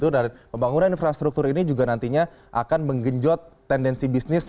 dan pembangunan infrastruktur ini juga nantinya akan menggenjot tendensi bisnis